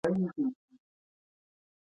څو دواړو خواوو افغانستان برباد او ستړی کړ.